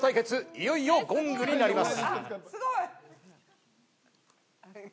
いよいよゴングになります。